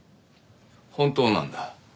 本当なんだ。